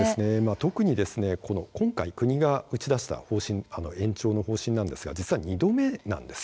特に今回、国が打ち出した延長の方針なんですが実は２度目なんです。